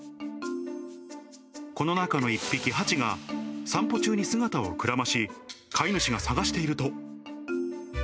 この中の１匹、ハチが、散歩中に姿をくらまし、飼い主が捜していると。